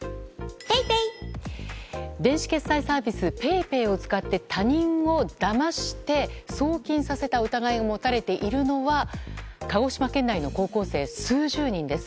電子決済サービスＰａｙＰａｙを使って他人をだまして送金させた疑いが持たれているのは鹿児島県内の高校生数十人です。